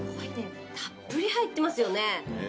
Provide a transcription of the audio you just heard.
たっぷり入ってますよね。